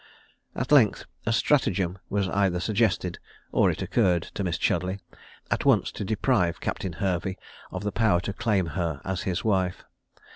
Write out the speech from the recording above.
At length a stratagem was either suggested, or it occurred to Miss Chudleigh, at once to deprive Captain Hervey of the power to claim her as his wife.